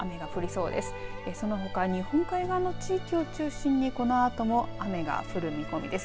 そのほか日本海側の地域を中心にこのあとも雨が降る見込みです。